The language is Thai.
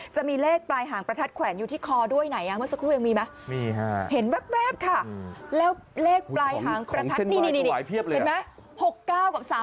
จะมีเลขปลายหางประทัดแขวนอยู่ที่คอด้วยไหนวันสักครู่ยังมิไหม